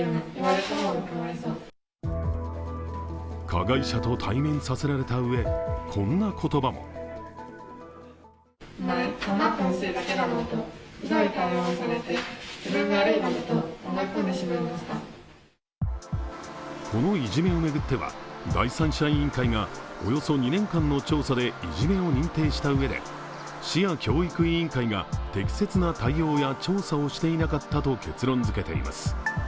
加害者と対面させられたうえ、こんな言葉もこのいじめを巡っては第三者委員会がおよそ２年間の調査でいじめを認定したうえで市や教育委員会が適切な対応や調査をしていなかったと結論づけています。